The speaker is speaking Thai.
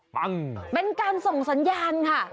เป็นการส่งสัญญาณค่ะ